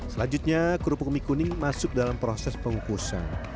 selanjutnya kerupuk mie kuning masuk dalam proses pengukusan